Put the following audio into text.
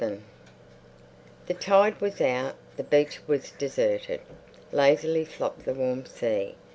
VII The tide was out; the beach was deserted; lazily flopped the warm sea.